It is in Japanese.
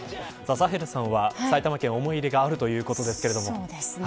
サヘルさんは埼玉県に思い入れがあるそうですね。